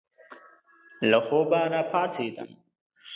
له خوبه را پاڅېدم.